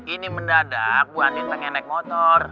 ini mendadak bu ani pengen naik motor